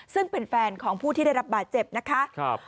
ซึ่งเป็นแฟนของผู้ที่ได้รับบาดเจ็บนะคะ